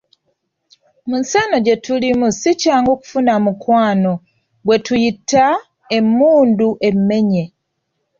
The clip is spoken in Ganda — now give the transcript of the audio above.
Mu nsi eno gye tulimu si kyangu kufuna mukwano gwe tuyinza okuyita, "emmundu emmenye"